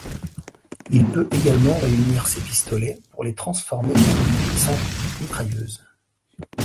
Il peut également réunir ses pistolets pour les transformers en une puissante mitrailleuse.